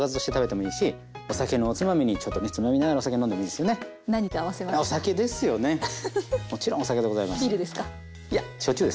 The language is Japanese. もちろんお酒でございます。